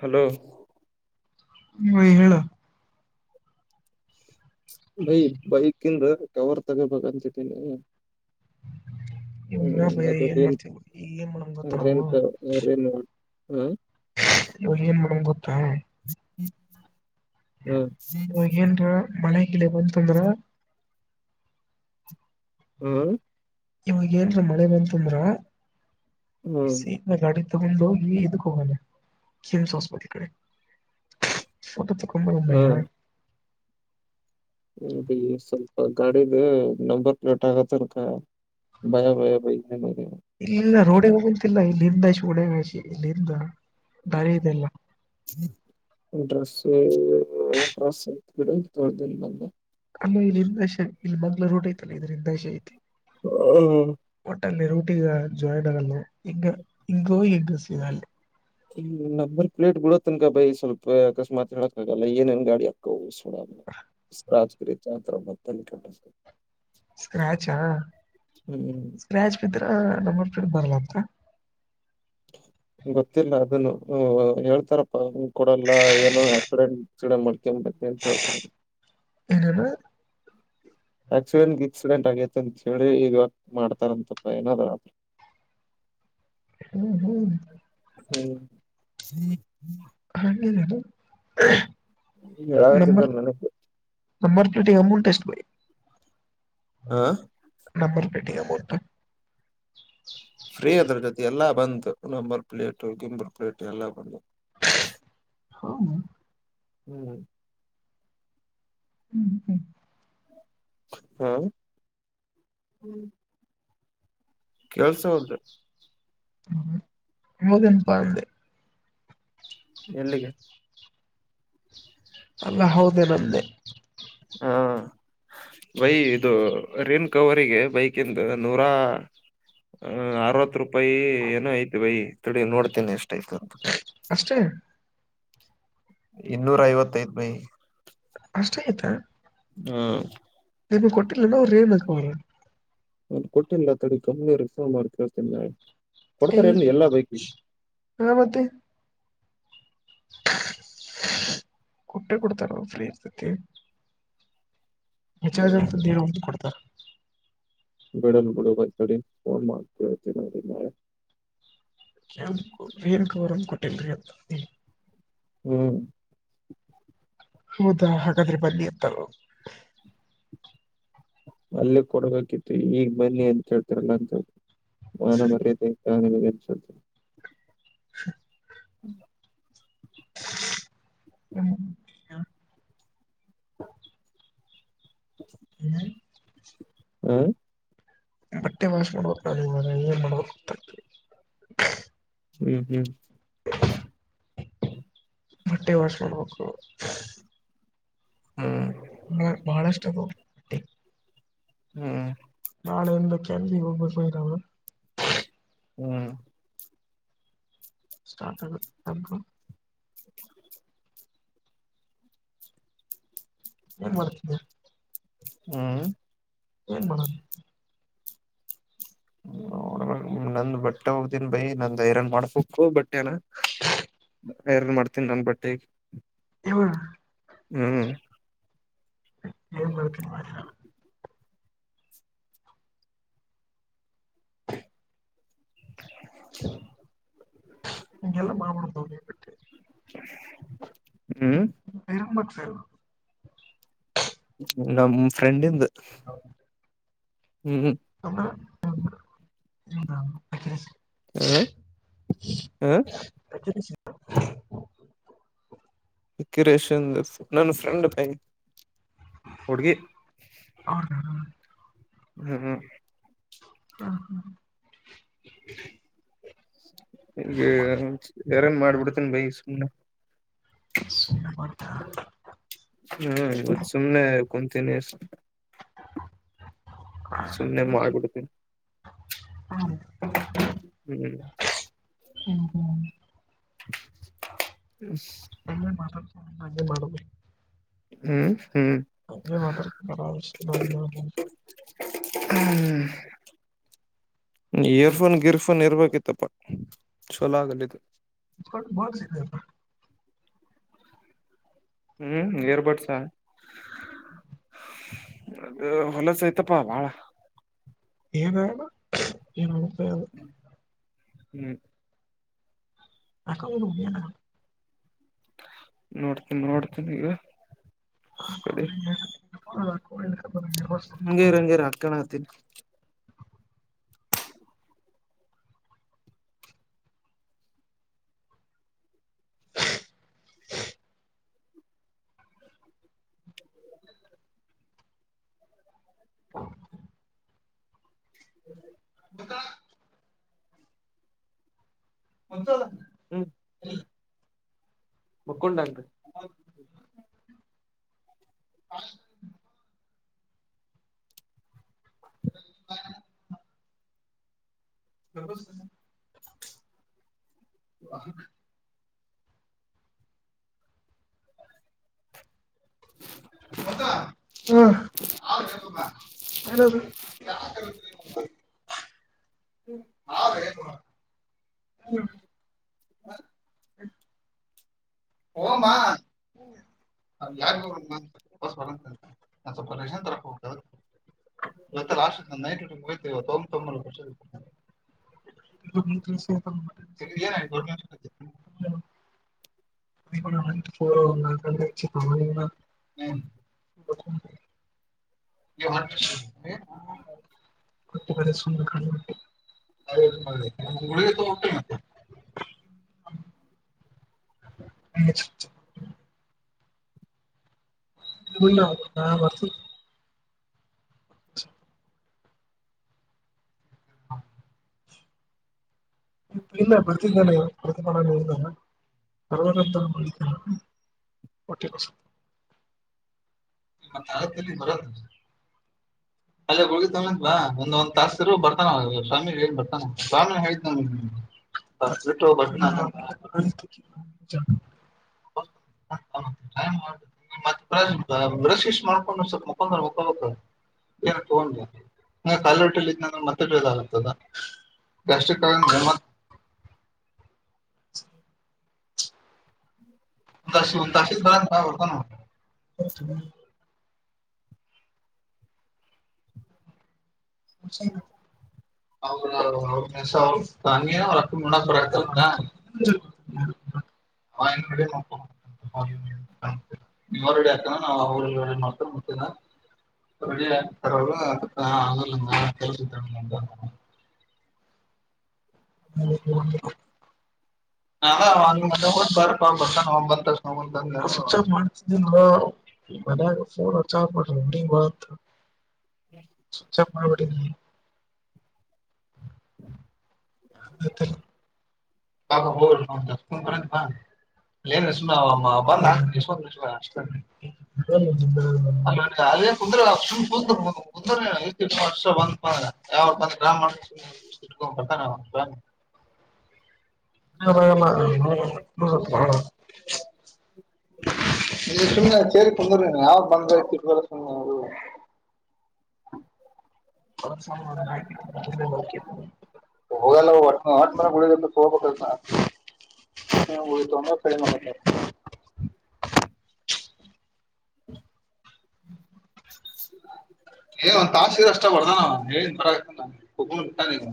hello ಹೇಳ ಭಯಿ ಬೈಕಿಂದ ಕವರ್ ತಗೋಬೇಕಂತಿದ್ದೀನಿ ಇವಾಗ ಹ್ಮ್ ಭಯ ಅದು ಏನ್ ರನ್ ಮಾಡ್ತೇವಿ ಈಗ ಏನ್ ಮಾಡಮ್ ಗೊತ್ತಾ ರೇನ್ ರನ್ ಯಹ ಮಂಗತ್ತ ಹ ಹ್ಮ್ ಇವಾಗೇನ್ ಮಳಗಿಡೆ ಬಂತಂದ್ರ ಹ್ಮ್ ಇವಾಗ ಏನ್ರ ಮಳೆ ಬಂತಂದ್ರ ಹ ಬಿಸಿದ ಗಾಡಿ ತಗೊಂಡ ಹೋಗಿ ಇದಕ್ ಹೋಗಲ್ಲ ಕೆಮಸ್ಸ್ಬತ್ ಈ ಕಡೆ ಫ ಕಂಬ ಉಮ್ಮಾ ಹೀ ಸ್ವಲ್ಪ ಗಾಡಿದ ನಂಬರ್ ಪ್ಲೇಟ್ ಆಗತ್ತ ಅನಕ ಇಲ್ಲಲ್ಲ ರೋಡೆ ಹೋಗಂತಲ್ಲ ಇಲ್ಲಿಿಸಿಿ ೋಡಿಸಿಿ ಇಲ್ಲಿರಿಂದಣ ಇಂಟ್ರಸ್ ಕಾಸ್ ಆ ಬಿಡ ತೋಡ್ದ ಬಂದ ಅಲ್ಲ ಇಲ್ಲಿಂದಷೆ ಇಲ್ಲಿ ಮಗ್ಳ ರೂಟ ಐತಲ್ಲ ಇದ್ರರಿಂದಶೆ ಐತಿ ಲ್ಲಿ ರಟಿಗ ಜಡರಲ್ಲ ಹಿಂಗ ಹಿಂಗೋ ಹೆಗ್ಗಸ ಅಲ್ಲಿ ಹ್ಮ್ ನಂಬರ್ ಪ್ಲೇಟ್ ಬಿಡೋ ತನಕ ಬೈ ಸ್ವಲ್ಪ ಅಕಸ್ಮಾತ್ ಹೇಳಕ್ಕ ಆಗಲ್ಲ ಏನೇನ್ ಗಾಡಿ ಹಾಕ್ಕ ಸ್್ರಾಗ ಚತ್ರ ಮ ಕಟ್ಟ ಸ್ಕ್ರಾಚ್ ಹ್ಮ್ ಸ್ಕ್ರಾಚ್ ಬಿದ್ರ ನ ಪಿಟ್ ಬರಲ್ಲಂತ [unintelligible] ಗೊತ್ತಿಲ್ಲ ಅದನ್ನು ಹೇಳ್ತಾರಪ್ಪ ಕೊಡಲ್ಲ ಏನೋ ಆಕ್ಸಿಡೆಂಟ್ ಆಸಿಡೆ ಮಾಡ [unintelligible] ಏನೇನ ಮಂತ್ ಹೇಳಿ ಇವಾಗ ಮಾಡ್ತಾರಂತಪ್ಪ ಏನಾದರ ಹ್ಮ್ ಹ್ಮ್ ಹ್ಮ್ [unintelligible] ನ ಹೇಳಾಕತ್ತಿದ್ದ ನನಗ್ ನಂಬರ್ ಪ್ಲೇಟಗಮಟೆಸ್ ಭ ಹಾ ಹಟಿಗೆ ಬತ ಫ್ರೀ ಅದ್ರ ಜೊತೆ ಎಲ್ಲಾ ಬಂದು ನಂಬರ್ ಪ್ಲೇಟ್ು ಗಿಂಬರ್ ಪ್ಲೇಟ್ ಎಲ್ಲಾ ಬಂದು ಹೌ ಹ್ಮ್ ಹ್ಮ್ ಹಾ ಕೆಲ್ಸ ಹೌದ್ರೆ ಹ್ಮ ಮದನ್ ಪಂದೆ ಎಲ್ಲಿಗೆ ಅಲ್ಲ ಹೌದೆ ನಂದೆ ಹಾ ಬೈ ಇದು ರಿನ್ ಕವರಿಗೆ ಬೈಕ ಇಂದು ನೂರಾ ಹ ಅರವತ್ತು ರೂಪಾಯಿ ಏನೋ ಐ್ತು ಬೈ ತ ನೋಡ್ತೇನಿ ಅಷ್ಟು ಟೈಪ್ ಅಷ್ಟೇ ಇನ್ನೂರ ಐವತ್ತೈದ ಮೈ ಅಷ್ಟ ಆಯ್ತಾ ಹ್ಮ್ ನೀನು ಕೊಟ್ಟಿಲ್ಲನ ಅವ್ರು ಏನ್ಕ್ ಅವ್ರ ನ ಕೊಟ್ಟಿಲ್ಲ ಅ ಕಂಪ್ನಿ ರರಿಫರ್್ ಮಾಡಿ ಕೇಳ್ತನ ನಾಳೆ ಕೊಡ್ತಾರೆ ನು ಎಲ್ಲಾ ಬೈಕ್ ಕೊಟ್ಟ್ರೆ ಕೊಡ್ತಾರ ಫ್ರೀ ಇರ್ತತಿ ವಿಚ ದೇ ಉಂಟ ಕೊಡ್ತಾರೆ ಬಿಡಲ್ ಬಿಡು ಬಂತಡಿ ಫೋನ್ ಮಾಡ ಕೇಳ್ತೀ ನೋಡಿ ಮಾಳೆ ವೇ ಅವರನ್ ಕೊಟ್ಟಲ್ರಿ ಅಂತ ಹ್ಮ್ ಹೌದಾ ಹಾಗಾದ್ರೆ ಬನ್ನಿ ಅಂತ ಅಲ್ಲಿ ಕೊಡ್ಬೇಕಿತ್ತು ಈಗ್ ಬನ್ನಿ ಅಂತ ಹೇಳ್ತಾರಲ್ಲ ಅಂತಿ ವನ ಮರ್ಯದೆ [inaudible] ಹ ಹ್ಮ ಹ [inaudible] ಹ ಬಟ್ಟೆ ವಾಶ್ ಮಾಡ್ಬೇಕ್ ನ ಮ ಏನ್ ಮಾಡ್ಬೇಕತ ಹ್ಮ್ ಹ್ಮ್ ಬಟ್ಟೆ ವಷ ಮಾಡಬೇಕ ಹ್ಮ್ ಳ ಬಹಳ ಇಷ್ಟದು ಹ್ಮ್ ನಾಳೆ ಎಿಂದ ಕೆಳಪಿ ಒೋಗಬ ಬಯರಾವ ಹ್ಮ್ ಸ್ಟಾರ್ಟ ಆಗ ಅಬ್ಬು ಏನ್ ಮಾಡ್ತಿದ್ದಿ ಹ್ಮ್ ಏನ್ ಮಾಡೋ ನೋ ನಂದ್ ಬಟ್ಟೆ ಹೋಗ್ದನ್ ಬೈ ನಂದ ಐರನ್ ಮಾಡ್ಬೇಕು ಬಟ್ ಬಟ್ಟ ಯಾರ್ ಮಾಡ್ತೀನಿ ನನ್ ಬಟ್ಟೆ ಇವ ಹ್ಮ್್ಮ ಏನ್ ಬಳ್ತ ಇಂಗ ಎಲ್ಲ ಮಾಮನ ತೋವ ಬಿಟ್ಟ ಹ್ಮ್ ಇರಾನ್ ಬಕ್ಸಾ ಎಧು ನಮ ಫ್ರೆಂಡ್ ಇಂದು ಹೌ ಕ ಹ್ಮ ಹ್ಮ [unintelligible] ಇಕಿರೇಶ್ಂದು ನನ್ನ ಫ್ರೆಂಡ್ ಬೈ ಹುಡ್ಗಿ ಅವ ಹ್ಮ್ ಹ್ಮ್ ಹ್ಮ ಹಗೆ ಎಾರ ಮಾಡ್ಬಿಡ್ತೇನ್ ಬೈ ಸುಮ್ನೆ ಸುಮ್ನೆ ಮಾಡ್ತಾ ಹ್ಮ ಇ ಸಮನೆ ಕಂತಿನಸ್ ಸುಮ್ನೆ ಮಾಡಬಿಡತೀ ಹ್ಮ್ ಹ್ಮ್ ಹ್ಮ ಹ್ಮ ಹ್ಮ ಹ ಮಾತ ಮಾಡ ಹ್ಮ್ ಹ್ಮ್ ಅೇ ಮಾರಾಮಶ್ಯ ನ ಹ್ಮ್ ಇಯರ್ಫೋನ್ ಗಿರ್ಫೋನ್ ಇರ್ಬೇಕಿತ್ತಪ್ಪ ಚಲೋ ಆಗಲಿದ ಬಹ ಸಿಖ ಹ್ಮ್ ಏರ್ಬಡ್ಸ ಅದು ಹೊಲಸ ಐ್ತಪ್ಪಾ ಬಾಳ ಏ ಏ [inaudible] ಹ್ಮ್ ಆಕೋಗಿಯ ನೋಡ್ತೀನ್ಿ ನೋಡ್ತೀನಿ ಈಗ ಕಡೆ ಹ ಹ ಹಂಗೇರಿ ಹಂಗೀರಿ ಹಾಕಣ ಹತೀನಿ ಹೌ ಮತ್ತ ಹ್ಮ್ ಮುಕ್ಕುಂಡ ಅಂಂತ ಹಮ್ ಹ ಬ ಹಾ ಹ್ಮ್ ಬರ ಹ್ಮ ಹಾ ಹ್ಮ ಬಲಮ್ಮ ಯ ಬ ಸ್ವಲ್ಪಷನ್ ತರಕ ಹೋಗ ಇತ್ತ ಲಾಸ್ಟ್ ನೈಟ್ ಹ್ತ ತೊಂಬ ತೊಂಬ ವರ್ಷಡ್ತ ಎನ್ ಆಯಿತು ಅ ನ ಯಾರು ಕೊ ಬ ಸುಂದ ಕ ಹ ನ ಮಾಡತಿ ಇಲ್ಲ ಬರ್ದಿಲ್ವಲ್ಲ ಸರ್ವಂತರ ಮಾಳಿಕ ಒಟ್ಟಿ ಮತ್ತೆ ಭಾರತದಲ್ಲಿ ಬರತ್ತ ಅಲ್ಲೇ ಹುಗಿ ತತ್ವಾ ಒಂದ್ಂದ್ ತಾಸಿರು ಬರ್ತಾನ ಸ್ವಾಮಿ ಏನ್ ಬರ್ತಾನ ನಾನ ಬಟ್ಟು ಬ ಹಮ್ ಬ್ರಷ್ ಗ್ರಿಷ್ ಮಾಡ್ಕೊಂಡ ಸ್ವಲ್ಪ ಮಕೊಂಡ್ರ ಮಕೊಬೇಕ್ರ ನ್ೋ ಕಾಲೋಟೆಲ್ ಇದಂದ್ರೆ ಮತ್ತೆ ಬಿಳದಂತದಷ್ಟ ರ್ ತ ತಶ ಕರಾನ ಕ ಬತ ನ ಹಸ ತನಿಯ ಒಳಕ್ಕಡ ಪ್ರರತ ಅವಡೆ ನೋ ನೀವ್್ರ ರಡಿ ಆಾಕಾನ ನಾವ್ ಅವ್ರ ರ ಮಾಡ್ತಾರತನ ರ ಅ ಆಲ್ಲ ಕೆ ತ ಹ ನಾವ ಮ ಹ ಬರ್ಕ್ ಬರ್ತ ನ ಒಂಬತ್ತ ನ ಸ್ವಿಚ್ ಆಫ್ ಮಾಡ್ತಿದ್ದನ್ ಮನ್ಯಾಗ ಫೋ ಚಾರ್ ಹಡಿ ಬ ಸ ಮಾಡರಬ ನೀ ಹ ನ ಹಾಏನ್ ಸು ಬಂದ ಅ ಅ ಕು ಕು ವರ್ಷ ಬಂದಂದ ಯಾವತ ಗ್ರಾಮ ಇಟ್ಕೊಂಡ ಬರ್ತಾನೆ ಹ ನಿಮ ಸುಮ್ಮನೆ ಸೇರಿ ತಂದ್ರ ಯಾವ ಬಂದ್ರತಿಲ್ಲ ಸುಮ್ಮ್ನೆ ಅವರು ೋಗ ಗುಳ ಸೋಪ ಕ ಹ್ಮ ಒ ತೊಂಬ ಕಳ ಮಾಡ ಮಾಡತ ಹ್ಮ [inaudible] ಹೇ ಒನ್ ತಾಸಿನ ಅಷ್ಟ ಬರ್ದಾನ ಹೇಳನ್ರೊಂಡ ಬಿಾನ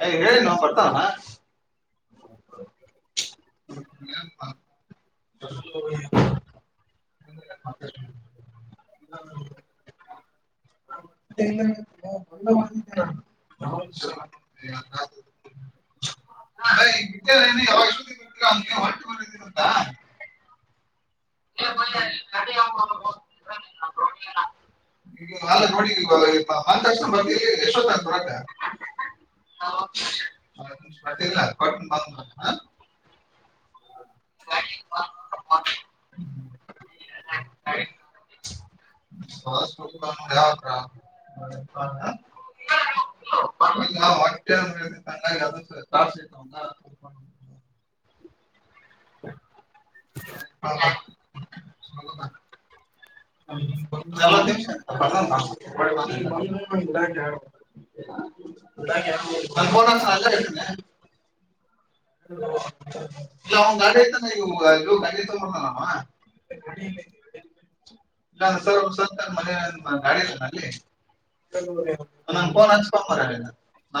ಹಯ ಹೇಳಿ ನ ಬರ್ತಾವಣ ಹ ಹ [inaudible] [inaudible] [unintelligible] ಹೊಟ್ಟ ಬಿದೀರದಾ ಹ್ಮ [unintelligible] ಅಲ್ಲ ನೋಡಿ ಇ ಒಂದ ತರ್ಸ್ ಬರ್ ಎಷ್ಟತ್ತ ಹೊರಗ ಲ್ಲ ಹೌ [unintelligible] ಹ ಸತ್ರ ಮ ಹ [unintelligible] ನಪನಸ ನಲ್ಲ ಇ ಗ ಗ ಆತಾನವಾ ನ ಸರ್ ಸರ್ ಮನೆ ಗಾಡಿಲ್ಲ ನಲ್ಲಿ ಪ ಕ